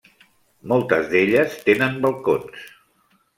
Moltes d'elles tenen balcons.